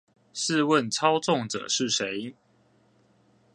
試問操縱者是誰？